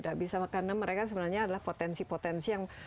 karena mereka sebenarnya adalah potensi potensi yang